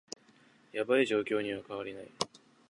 ヤバい状況には変わりない